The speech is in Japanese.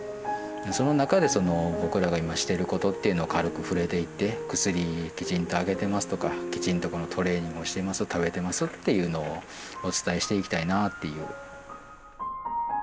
その中で僕らが今してることっていうのを軽く触れていって薬きちんとあげてますとかきちんとこのトレーニングをしてます食べてますっていうのをお伝えしていきたいなっていう。